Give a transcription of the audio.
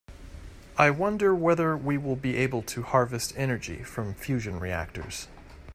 I wonder whether we will be able to harvest energy from fusion reactors.